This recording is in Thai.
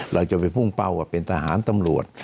เราจะไปพุ่งเป้าว่าเป็นทหารตำรวจ